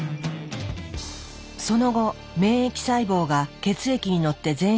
その後免疫細胞が血液に乗って全身を巡り